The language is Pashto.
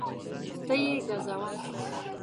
ته یې ګزوه